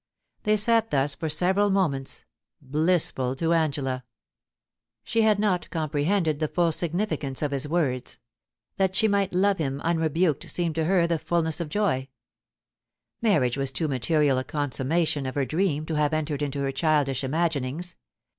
They sat thus for several moments — blissful to Angela. 212 POUCY AND PASSION, She had not comprehended the full significance of his words. That she might love him unrebuked seemed to her the fulness of joy. Marriage was too material a consummation of her dream to have entered into her childish imaginings.